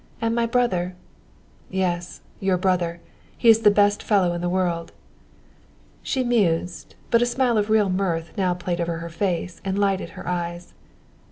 And my brother " "Yes, your brother he is the best fellow in the world!" She mused, but a smile of real mirth now played over her face and lighted her eyes.